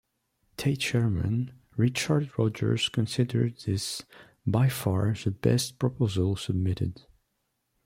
Tate Chairman, Richard Rogers considered this by far the best proposal submitted.